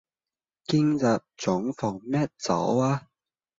今日仲放咩早呀